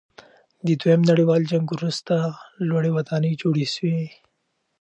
د دویم نړیوال جنګ وروسته لوړې ودانۍ جوړې سوې.